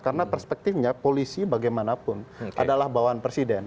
karena perspektifnya polisi bagaimanapun adalah bawaan presiden